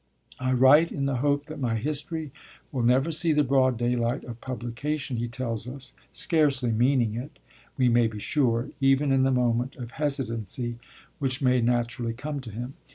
'I write in the hope that my history will never see the broad daylight of publication,' he tells us, scarcely meaning it, we may be sure, even in the moment of hesitancy which may naturally come to him.